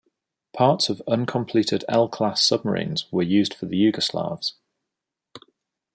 Parts of uncompleted L-class submarines were used for the Yugoslav s.